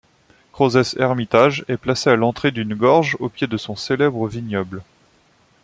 Crozes Hermitage est placé à l’entrée d’une gorge au pied de son célèbre vignoble.